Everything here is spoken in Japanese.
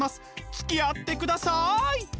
つきあってください！